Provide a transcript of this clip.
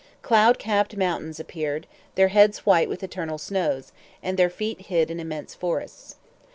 Cloud capped mountains appeared, their heads white with eternal snows, and their feet hid in immense forests.